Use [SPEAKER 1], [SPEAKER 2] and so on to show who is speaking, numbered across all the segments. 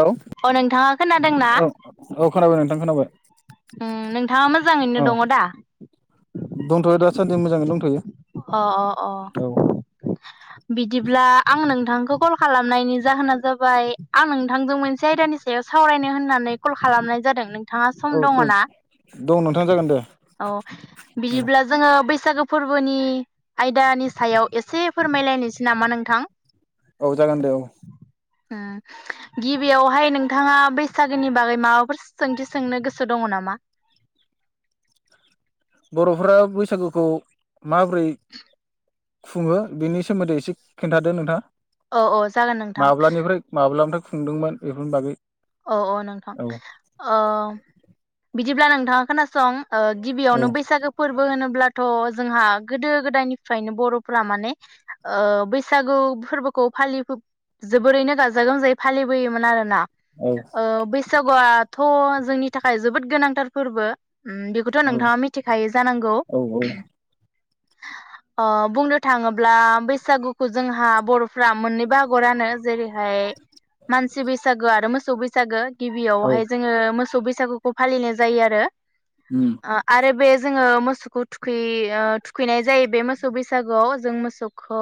[SPEAKER 1] हेल
[SPEAKER 2] अ नोंथाङा खोनादोंना
[SPEAKER 1] औ औ खोनाबाय नोंथां खोनाबाय।
[SPEAKER 2] उम नोंथाङा मोजाङैनो
[SPEAKER 1] औ
[SPEAKER 2] दङ दा?
[SPEAKER 1] सान्दि मोजाङैनो दंथयो।
[SPEAKER 2] अ अ अ
[SPEAKER 1] औ
[SPEAKER 2] बिदिब्ला आं नों नोंथांखौ कल खालामनायनि जाहोना जाबाय आं नोंथांजों मोनसे आयदानि सायाव सावरायनो होननानै कल खालामनाय जादों नों थाङा
[SPEAKER 1] औ
[SPEAKER 2] सम दङ
[SPEAKER 1] औ
[SPEAKER 2] ना?
[SPEAKER 1] दं नोंथां जागोन दे
[SPEAKER 2] अ
[SPEAKER 1] औ
[SPEAKER 2] बिदिब्ला जोङो बैसागो फोर बोनि आयदानि सायाव एसे फोरमायलायनोसै नामा नोंथां?
[SPEAKER 1] औ जागोन दे औ
[SPEAKER 2] ओ गिबियावहाय नोंथाङा बैसागोनि बागै माबाफोर सोंथि सोंनो गोसो दङ नामा?
[SPEAKER 1] बर'फ्रा बैसागुखौ माब्रै खुङो बिनि सोमोन्दै एसे खिन्थादो नोंथाङा?
[SPEAKER 2] औ औ जागोन नोंथां
[SPEAKER 1] माब्लानिफ्राय माब्लानिफ्राय खुंदोंमोन बेफोरनि बागै।
[SPEAKER 2] औ औ नोंथां ओ बिदिब्ला नोंथाङा खोनासं ओ
[SPEAKER 1] औ
[SPEAKER 2] गिबियावनो बैसागो फोरबो होनोब्ला ब्लाथ जोंहा गोदो गोदायनिफ्रायनो बर'फ्रा माने ओ बैसागु फोर्बोखौ फालिबो जोबोरैनो गाजा गोमजायै फालिबोयोमोन आरोना
[SPEAKER 1] औ
[SPEAKER 2] ओ बैसागुआ थ जोंनि थाखाय जोबोद गोनांथार फोर्बो। उम बेखौथ'
[SPEAKER 1] औ
[SPEAKER 2] नोंथाङा मिथिखायो जानांगौ?
[SPEAKER 1] औ
[SPEAKER 2] ओ बुंनो थाङोब्ला बैसागुखौ जोंहा बरफ्रा मोननै बाहागोआव रानो जेरैहाय मानसि बैसागो आरो मो सौ बैसागो।।
[SPEAKER 1] औ
[SPEAKER 2] गिबियावहाय जोङो मोसौ बै सागुखौ फालिनाय जायो आरो
[SPEAKER 1] उम
[SPEAKER 2] ओ आरो बे जोङो मोसौखौ थुखैै ओ थुख खैनाय जायो से मोसौ बैस बैसागुआव जों मोसौखौ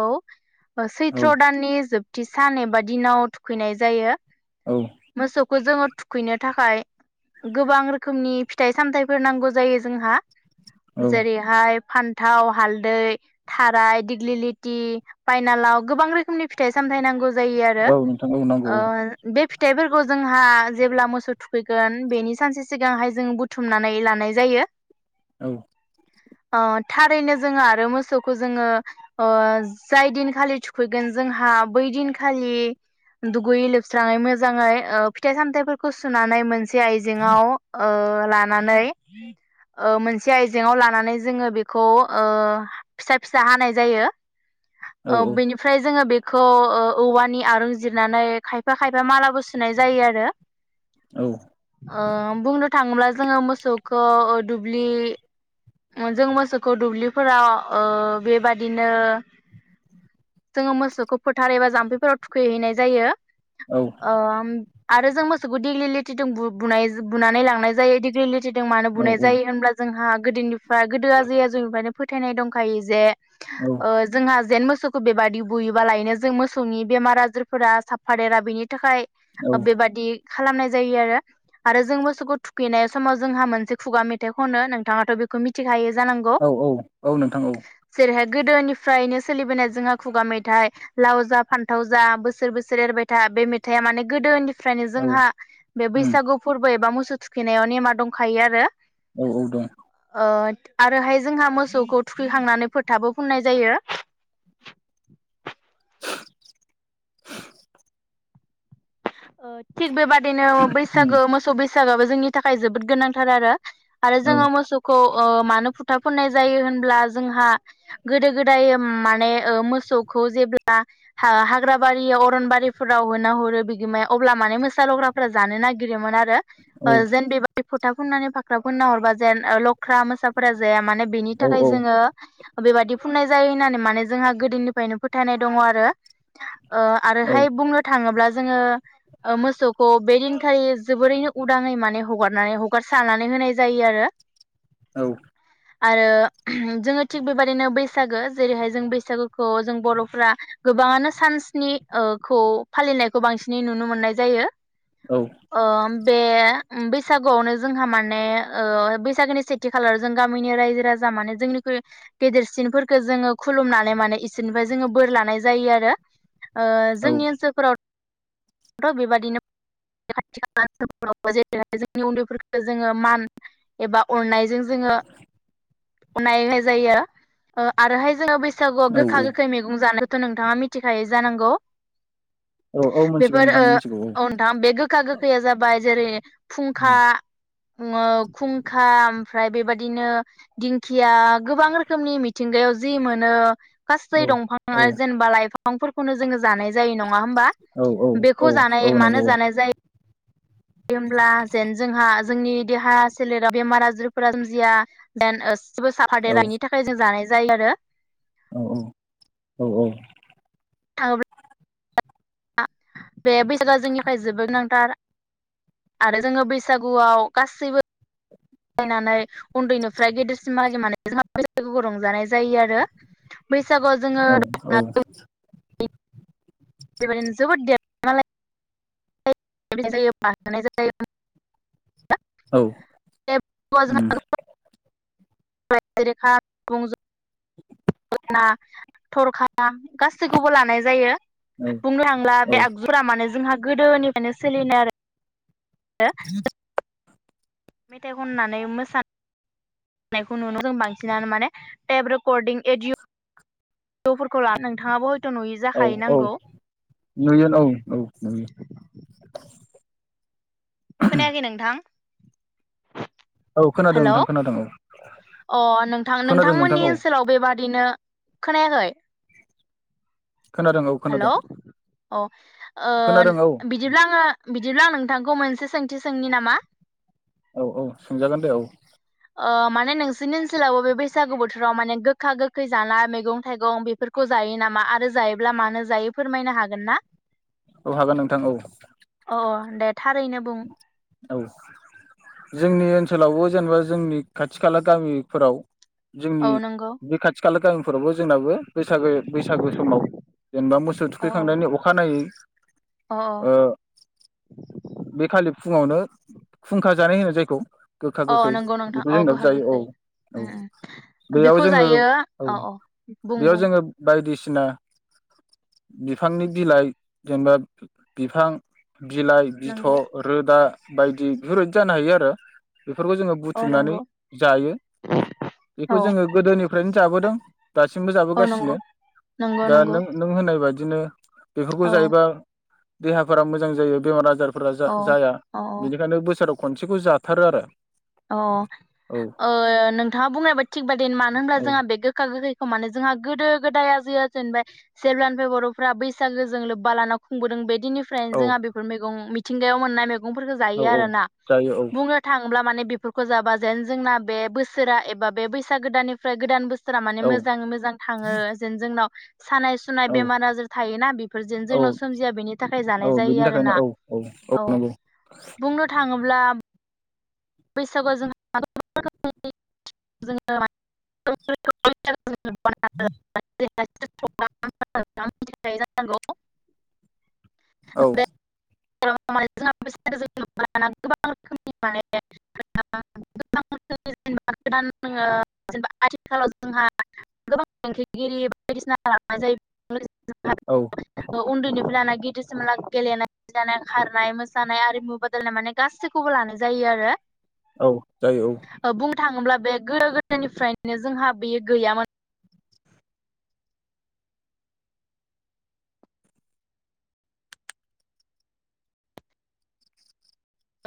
[SPEAKER 2] ओ
[SPEAKER 1] औ
[SPEAKER 2] सैथ्र' दाननि जोब थि सान एबा दिनाव थुखैनाय जायो।
[SPEAKER 1] औ
[SPEAKER 2] मोसौखौ जोङो थु खैनो थाखाय गोबां रोखोमनि फिथाइ सामथाइफोर नांगौ जायो जोंहा।
[SPEAKER 1] औ
[SPEAKER 2] जेरैहाय फान थाव, हालदै, थाराय, दिग्लिलिथि फायनालाव गोबां रोखोमनि फिथाइ सामथायाइ नांगौ जायो आरो
[SPEAKER 1] औ नोंथां औ नांगौ
[SPEAKER 2] ओ बे फिथाइफोर जोंहा जेब्ला मोसौ थुखैगोन बेनि सानसे सिगांहाय जों बुथुमनानै लानाय जायो।
[SPEAKER 1] औ
[SPEAKER 2] अह थारैनो जोंङो आरो मोसौखौ जोंङो ओ जाय दिनखालि थुखैगोन जोंहा बै दिनखालि दुगैयै लोबस्राङै मोजाङै ओ फिथाइ सामथाइफोरखौ सुनानै मोन से आइजेङाव ओ लानानै ओ मोनसे आइजेंआव लानानै जोंङो बेखौ ओ फिसा फिसा हानाय जायो।
[SPEAKER 1] औ
[SPEAKER 2] ओ बेनिफ्राय जोंङो बे खौ ओ औवानि आरं जिरनानै खायफा खायफा मालाबो सु सुनाय जायो आरो।
[SPEAKER 1] औ।
[SPEAKER 2] ओ बुंनो थाङोब्ला जोंङो मोसौखौ दुब्लि जों मोसौखौ दुब्लिफोराव ओ बेबादिनो जोंङो मोसौखौ फोथार एबा जाम्फैफोराव थुखैहैनाय जायो।
[SPEAKER 1] औ
[SPEAKER 2] ओ। आरो जों मोसौखौ दिग्लिलिटिजों बु-बुनाय बुनानै लांनाय जायो दिग्लिलिटि जों मानो
[SPEAKER 1] औ
[SPEAKER 2] बुनाय जायो होनब्ला जोंहा गोदोनिफ्राय गोदो आजै आजौनिफ्रायनो फोथायनाय दंखायो जे ओ जोंहा जेन मोसौ बेबायदि बुयोबा लायनो जों मोसौनि बेमार आजारफोरा साफफादेरा बेनि थाखाय बेबादि खालामनाय जायो आरो आरो जों मोसौखौ थुखैनाय समाव जोंहा मोनसे खुगा मेथाइ खनो नोंथाङाथ बेखौ मिथिखायो। जानांगौ
[SPEAKER 1] औ औ औ नोंथां औ।
[SPEAKER 2] जेरैहाय गोदोनिफ्रायनो सोलिबोनाय जोंहा खुगा मेथाइ लाव जा फान्थाव जा बोसोर बोसोर एरबाय था बे मेथाइया माने। गोदोनि फ्रायनो
[SPEAKER 1] औ
[SPEAKER 2] जोंहा बे
[SPEAKER 1] उम
[SPEAKER 2] बैसागु फोरबो एबा मोस [unintelligible] थुखैनायाव नेमा दंखायो आरो।
[SPEAKER 1] औ औ दं।
[SPEAKER 2] ओ आरोहाय जोंहा मोसौखौ थुखैखांनानै फोथाबो फुननाय जायो। ओ थिग बेबा दिनो
[SPEAKER 1] उम
[SPEAKER 2] बैसागो मोसौ बैसाग साबाबो जोंनि थाखाय जोबोद गोनांथार आरो। आरो
[SPEAKER 1] औ
[SPEAKER 2] जोंङो मोसौखौ। ओ मानो फुथा फुननाय जायो होनब्ला जोंहा गोदो गोदाय माने ओ मोसौखौ जेब्ला हा-हाग्राबारियाव अरनबारिफोराव होना हरो। [unintelligible] अब्ला माने मोसा लग्राफोरा जानो नागिरोमोन आरो।
[SPEAKER 1] औ
[SPEAKER 2] जेन [inaudible] फोथा फुननानै फाख्रा फुनना हरबा जेन लख्रा मोसाफोरा जाया माने बेनि थाखाय जोङो बेबायदि फुननाय जायो होननानै माने जोंहा गोदोनिफ्रायनो फोथायनाय दङ आरो। ओ आरोहाय बुंनो थाङोब्ला जोङो ओ मोसौखौ बेदिनखालि जोबोरैनो उदाङै माने हगारनानै हगारसारनानै होनाय जायो आरो।
[SPEAKER 1] औ।
[SPEAKER 2] आरो जोङो थिग बेबाददिनो बैसागो जेरैहाय जों बैसागोखौ जों बर'फ्रा गोबाङानो सानस्नि ओ खौ फालिनाय खौ बांसिनै नुनो मोननाय जायो। ओ बे बैसागुआवनो जोंहा माने ओ बैसागोनि सेथि खालाराव जों गामिनि रायजो राजा माने जोंनिखुइ गेदेरसिनफोरखौ जोङो खुलुमनानै माने इसोरनिफ्राय जोङो बोर लानाय जायो आरो ओ जोंनि ओनसोलफोराव थ' बेबादिनो खाथि खाला ओनसोलफोराव जेरैहाय जोंनि उन्दैफोरखौ जोङो मान एबा अननायजों जोङो अननाय होनाय जायो आरोहाय जोङो बै सागुआव गोखा
[SPEAKER 1] औ
[SPEAKER 2] गोखै मैगं जानाय खौ नोंथाङा मिथिखायो जानांगौ?
[SPEAKER 1] औ औ मिथिगौ
[SPEAKER 2] बेफोर
[SPEAKER 1] नोंथां
[SPEAKER 2] ओ
[SPEAKER 1] मिथिगौ
[SPEAKER 2] औ नोंथां बे गोखा गोखैया जाबाय जेरै फुंखा ओ खुंखा ओमफ्राय बेबादिनो दिंखिया गोबां रोखोमनि मिथिंगायाव जि मोनो
[SPEAKER 1] औ
[SPEAKER 2] गासै
[SPEAKER 1] औ
[SPEAKER 2] दंफां
[SPEAKER 1] औ
[SPEAKER 2] आरो जेनेबा लाइफां फांफोरखौनो जोङो जानाय जायो नङा होमबा?
[SPEAKER 1] औ औ औ
[SPEAKER 2] बेखौ
[SPEAKER 1] औ
[SPEAKER 2] जानाय मानो
[SPEAKER 1] नंगौ औ
[SPEAKER 2] जानाय जायो होमब्ला जेन जोंहा जोंनि देहा सोलेराव बेमार आजारफोरा सोमजिया जेन ओ जेबो साफा
[SPEAKER 1] औ
[SPEAKER 2] देेरा इनि थाखाय जों जानाय जायो आरो
[SPEAKER 1] औ औ औ औ
[SPEAKER 2] [unintelligible] बे बैसागोआ जोंनि फाय जोबोद गोनांथार। आरो जोङो बैसागुआव गासैबो नायनानै उन्दैनो ओमफ्राय गेदेरसिम मागिनानै जोंहा बैसागु रंजानाय जायो आरो बै सागुआव जोङो
[SPEAKER 1] औ औ
[SPEAKER 2] [unintelligible] बेबायदिनो जोबोद [unintelligible] [unintelligible]
[SPEAKER 1] औ
[SPEAKER 2] जोंहा
[SPEAKER 1] ओम
[SPEAKER 2] [unintelligible] [unintelligible] थरखा गासैखौबो लानाय जायो
[SPEAKER 1] औ
[SPEAKER 2] बुंनो थांब्ला बे आगजुरा माने जोंहा गोदोनिफ्रायनो सोलिनाय आरो [unintelligible] मेथाइ खननानै मोसा [unintelligible] यखौ नुनो जों बांसिनानो माने टेप रेकर्डिं एडिअ [unintelligible]
[SPEAKER 1] औ
[SPEAKER 2] जाखायो
[SPEAKER 1] औ
[SPEAKER 2] नांगौ
[SPEAKER 1] नुयोन औ औ नुयो
[SPEAKER 2] खोनायाखै नोंथां
[SPEAKER 1] औ खोनादों
[SPEAKER 2] हेलौ
[SPEAKER 1] नोंथां खोनादों औ
[SPEAKER 2] अ नोंथां
[SPEAKER 1] खोनादों नोंथां
[SPEAKER 2] नोंथांमोननि
[SPEAKER 1] औ
[SPEAKER 2] ओनसोलाव बेबादिनो खोनाखै
[SPEAKER 1] खोनादों औ खोनादों।
[SPEAKER 2] अ ओ
[SPEAKER 1] खोनादों औ
[SPEAKER 2] बिदिब्ला आङो बि बिदिब्ला आं नोंथांखौ मोनसे सोंथि सोंनि नामा?
[SPEAKER 1] औ औ सोंजागोन दे औ
[SPEAKER 2] ओ माने नोंसोरनि ओनसोलावबो बे बैसागु बोथोराव माने गोखा गोखै जानाय मैगं थाइगं बेफोरखौ जायो नामा आरो जायोब्ला मानो जायो फोरमायनो हागोन ना?
[SPEAKER 1] औ हागोन नोंथां औ
[SPEAKER 2] अ दे थारैनो बुं
[SPEAKER 1] औ जोंनि ओनसोलावबो जेनेबा जोंनि खाथि खाला गामिफोराव जोंनि
[SPEAKER 2] औ नंगौ
[SPEAKER 1] बे खाथि खालाखौ फोरावबो जोंनाबो बैसागो बैसागो समाव जेनेबा मोसौ
[SPEAKER 2] औ
[SPEAKER 1] थुखैखांनायनि अखानायै
[SPEAKER 2] औ
[SPEAKER 1] ओ खालि फुङावनो खुंखा जानाय होनो जायखौ गोखा
[SPEAKER 2] औ
[SPEAKER 1] गोखै
[SPEAKER 2] नंगौ नोंथां
[SPEAKER 1] बेखौ
[SPEAKER 2] औ
[SPEAKER 1] जोंनाब
[SPEAKER 2] गोखा
[SPEAKER 1] जायो औ
[SPEAKER 2] गोखै
[SPEAKER 1] औ
[SPEAKER 2] उम उम
[SPEAKER 1] बेयाव जोङो औ
[SPEAKER 2] बुं
[SPEAKER 1] बेयाव
[SPEAKER 2] बुं
[SPEAKER 1] जोङो बायदिसिना ना बिफांनि बिलाइ जेनेबा बिफां बिलाइ थ
[SPEAKER 2] नंगौ
[SPEAKER 1] रोदा बायदि बेफोरबायदि जानो हायो आरो बेफोरखौ जोङो
[SPEAKER 2] औ
[SPEAKER 1] बुथुमनानै
[SPEAKER 2] नंगौ
[SPEAKER 1] जायो बेखौ
[SPEAKER 2] औ
[SPEAKER 1] जोङो गोदोनिफ्रायनो जाबोदों। दासिमबो
[SPEAKER 2] औ
[SPEAKER 1] जाबोगासिनो
[SPEAKER 2] नंगौ नंगौ
[SPEAKER 1] दा
[SPEAKER 2] नंगौ
[SPEAKER 1] नों नों होनाय बायदि बिदिनो बेफोरखौ
[SPEAKER 2] औ
[SPEAKER 1] जायोबा देहाफोरा मोजां जायो बेमार आजार फोर
[SPEAKER 2] औ
[SPEAKER 1] जाया
[SPEAKER 2] औ
[SPEAKER 1] बेनिखायनो बोसोराव खनसेखौ जाथारो आरो
[SPEAKER 2] अह
[SPEAKER 1] औ
[SPEAKER 2] ओह नोंथाङा बुंनायबा थिग बादि मानो होनब्ला
[SPEAKER 1] औ
[SPEAKER 2] जोंहा बे गोखा गोखैखौ माने जोंहा गोदो गोदाया जे जेनेबा जेब्लनिफ्राय बरफ्रा बैसागोजों लोब्बा लाना खुंबोदों बे निफ्राय
[SPEAKER 1] औ
[SPEAKER 2] जोंहा बेफोर मैगं मिथ मिथिंगायाव मोननाय बेफ मैगं फोरखौ जायो
[SPEAKER 1] औ औ
[SPEAKER 2] आरो ना
[SPEAKER 1] जायो औ
[SPEAKER 2] बुंनो थाङोब्ला माने बेफ खौ जाबा जेन जोंना बे बोसोरा एबा बे बैसाग गोदाननिफ्राय गोदान बोसोर फोरा माने
[SPEAKER 1] औ
[SPEAKER 2] मोजाङै मोजां थाङो जेन जोंनाव सानाय सुनाय
[SPEAKER 1] औ
[SPEAKER 2] बेमार आजार थायोना बेफोर जेन
[SPEAKER 1] औ
[SPEAKER 2] जोंनाव सोमजिया बेनि थाखाय जानाय
[SPEAKER 1] औ
[SPEAKER 2] जायो
[SPEAKER 1] बिनि
[SPEAKER 2] आरो
[SPEAKER 1] थाखायनो
[SPEAKER 2] ना
[SPEAKER 1] औ
[SPEAKER 2] औ
[SPEAKER 1] नंगौ
[SPEAKER 2] बुंनो थाङोब्ला बैसागुआव जोंहा [unintelligible] [inaudible] [unintelligible] [inaudible]
[SPEAKER 1] औ।
[SPEAKER 2] बे [unintelligible]
[SPEAKER 1] औ।
[SPEAKER 2] उन्दैनिफ्राय लाना गिदिरसिमलाग गेलेनाय जानाय खारनाय मोसानाय आरिमु बादायलनाय माने गासैखौबो लानाय जायो आरो।
[SPEAKER 1] औ जायो औ।
[SPEAKER 2] बुंनो थाङोब्ला बे गोदो गोदायनिफ्रायनो जोंहा बेयो गैयामोन।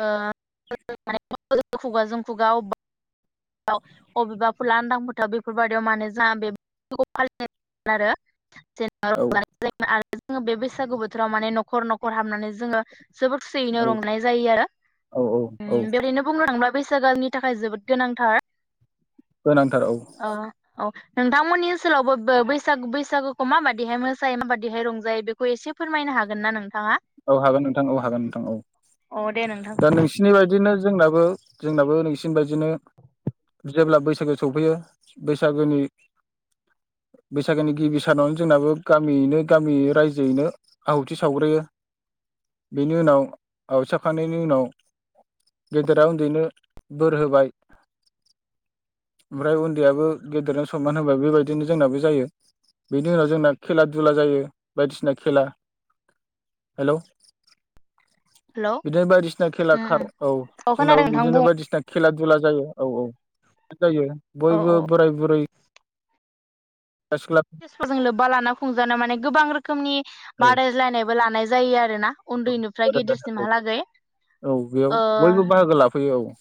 [SPEAKER 2] ओह [unintelligible] खुगााजों खुगा अबबा [unintelligible] अबेबाफोर लानदां फोथाव बेफोरबायदियाव माने [unintelligible]
[SPEAKER 1] औ
[SPEAKER 2] [unintelligible] जोङो बे बैसागु बोथोराव माने नखर नखर हाबनानै जोङो जोबोर खुसियैनो
[SPEAKER 1] औ
[SPEAKER 2] रंनाय जायो आरो
[SPEAKER 1] औ औ
[SPEAKER 2] ओह बेदिनो बुंनो थाङोब्ला बैसागोनि थाखाय जोबोद गोनां थार।
[SPEAKER 1] गोनांथार औ
[SPEAKER 2] ओह औ। नोंथांमोननि ओनसोलावबो बो बैसाग-बैसागोखौ माबादिहाय मोसायो माबादिहाय रंजायो बेखौ एसे फोरमायनो हागोन ना नों
[SPEAKER 1] औ हागोन नोंथां औ हागोन नोंथां औ
[SPEAKER 2] अ दे नोंथां
[SPEAKER 1] दा नोंसिनि बायदिनो। जोंनाबो जोंनाबो नोंसिन बायदिनो जेब्ला बैसागो सफैयो बैसागोनि बैसागोनि गिबि सानावनो जोंनाबो गामियैनो गामि रायजोयैनो आहुथि सावग्रोयो। बेनि उनाव आवहाति सावखांनायनि उनाव गेदेरा उन्दैनो बोर होबाय ओमफ्राय उन्दैयाबो गेदेरनो सनमान होबाय बेबायदिनो जोंनाबो जायो बेनि उनाव जोंना खेला दुला जायो बायदिसिना खेला। हेलौ।
[SPEAKER 2] हेलौ
[SPEAKER 1] बिदिनो बायदिसिना खेला
[SPEAKER 2] उम
[SPEAKER 1] खार औ
[SPEAKER 2] अ
[SPEAKER 1] जोंनावो
[SPEAKER 2] खोनादों नोंथां
[SPEAKER 1] बिदिनो
[SPEAKER 2] बुं
[SPEAKER 1] बायदिसिना खेला दुला। जायो औ औ। जायो
[SPEAKER 2] अ
[SPEAKER 1] बयबो
[SPEAKER 2] अ
[SPEAKER 1] बोराय बुरै। सेंग्रा सिख्ला
[SPEAKER 2] लोब्बा लाना खुंजाना माने गोबां रो खोमनि
[SPEAKER 1] औ
[SPEAKER 2] बादायज्लायनाय बो लानाय जा जायो आरो ना।
[SPEAKER 1] [inaudible] औ बेयाव
[SPEAKER 2] ओ
[SPEAKER 1] बयबो बाहागो लाफैयो औ।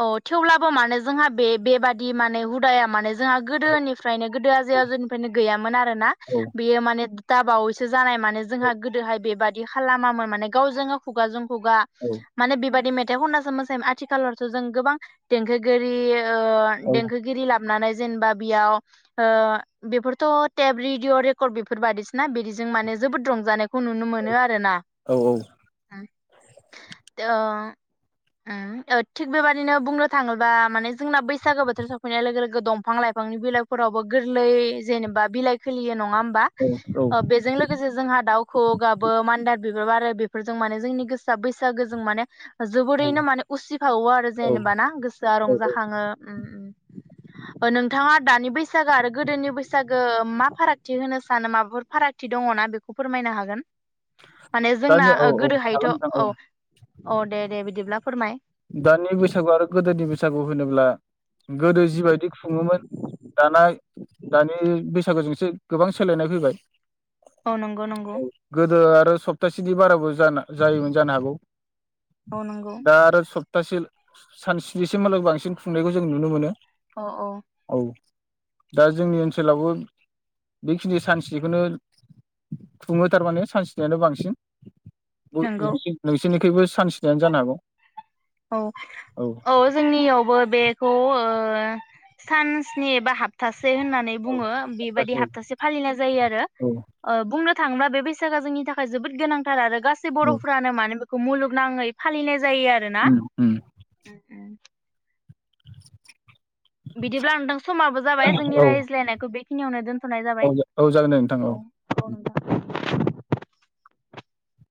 [SPEAKER 2] औ थेवब्लाबो माने जोंहा बे-बेबादि माने हुदाया माने जोंहा गोदोनिफ्रायनो गोदो आजै आजौनिफ्रायनो गैयामोन आरोना
[SPEAKER 1] औ
[SPEAKER 2] बेयो माने दाबावैसो जानाय माने जोंहा गोदोहाय बेबादि खालामामोन माने गावजोंनो खुगाजों खुगा
[SPEAKER 1] औ
[SPEAKER 2] माने बिबादि मे थाइ खननासो मोसायोमोन आथिखालाव सो जों गोबां देंखोगिरि ओ
[SPEAKER 1] औ
[SPEAKER 2] देंखोगिरि लाब नानै जेनेबा बियाव ओ बेफोरथ टेप रेदिअ रेकर्ड बेफोर बायदिसोना बिदिजों माने जोबोद रंजानाय खौ नुनो मोनो आरो ना
[SPEAKER 1] औ औ
[SPEAKER 2] ओ उम [unintelligible] थिग बेबादिनो बुंनो थाङोबा माने जोंना बैसागु बोथोर सफैनाय लोगो लोगो दंफां लाइफांनि बिलाइफोरावबो गोरलै जेनेबा बिलाइ खिलियो नङा नङा होमबा
[SPEAKER 1] औ औ
[SPEAKER 2] ओ बेजों लोगोसे जोंहा दाउ खौवौ गाबो मान्दार बिबार बारो बेफोरजों माने जोंनि गोसोआ बैसागुजों माने जोबोरैनो माने उसि फावो आरो
[SPEAKER 1] औ
[SPEAKER 2] जेनेबा ना गोसोआ
[SPEAKER 1] औ
[SPEAKER 2] रंजाखाङो उम उम। ओ नोंथाङा दानि बैसागो आरो गोदोनि बैसागु मा फारागथि होनो सानो माबाफोर फारागथि दङ ना बेखौ फोरमायनो हागोन? माने जोंना
[SPEAKER 1] दानि औ
[SPEAKER 2] ओ
[SPEAKER 1] औ
[SPEAKER 2] गोदोहायथ
[SPEAKER 1] जागोन नोंथां
[SPEAKER 2] औ । अ दे दे बिदिब्ला फोरमाय।
[SPEAKER 1] दानि बैसागु आरो गोदोनि बैसा सागु होनोब्ला गोदो जिबायदि खुङोमोन दाना दानि बैसागुजों एसे गोबां सोलायनाय फैबाय।
[SPEAKER 2] औ नंगौ नंगौ।
[SPEAKER 1] गोदो सप्तासेनि बाराबो जानो जायोमोन जानो हागौ।
[SPEAKER 2] औ नंगौ।
[SPEAKER 1] दा आरो सप्तासे सान स्निसिमहालागै बांसिन खुंनायखौ जों नुनो मोनो।
[SPEAKER 2] अ औ।
[SPEAKER 1] दा जोंनि ओनसोलावबो बेखिनि सानस्निखौनो खुङो थारमाने सानस्नियानो बांसिन।
[SPEAKER 2] नंगौ
[SPEAKER 1] [unintelligible] [unintelligible] सानस्नियानो जानो हागौ।
[SPEAKER 2] औ औ जोंनियावबो बे खौ ओ सानस्नि एबा हाबथा से होननानै बुङो बेबायदि हाब्थासे फालिनाय जायो आरो
[SPEAKER 1] औ
[SPEAKER 2] ओ बुंनो थांब्ला बे बैसागोआ जोंनि थाखाय जोबोद गोनांथार आरो। गासै
[SPEAKER 1] औ
[SPEAKER 2] बर'फ्रानो मानो मुलुगनाङै फालिनाय जायो आरो ना।
[SPEAKER 1] उम उम। [inaudible]
[SPEAKER 2] बिदिब्ला नोंथां समाबो जाबाय जोंनि
[SPEAKER 1] औ
[SPEAKER 2] रायज्लायनायखौ बे खिनियावनो दोन
[SPEAKER 1] औ दे औ जागोन दे नोंथां औ।
[SPEAKER 2] नोंथां